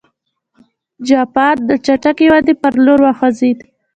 جاپان د چټکې ودې په لور وخوځېد.